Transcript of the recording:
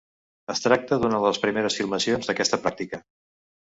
Es tracta d'una de les primeres filmacions d'aquesta pràctica.